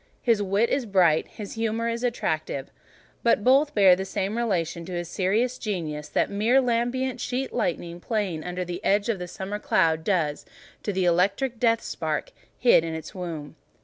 His wit is bright, his humour attractive, but both bear the same relation to his serious genius that the mere lambent sheet lightning playing under the edge of the summer cloud does to the electric death spark hid in its womb.